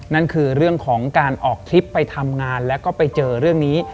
นั่นคือเรื่องของการออกทริปไปทำงานแล้วก็ไปเจอเรื่องนี้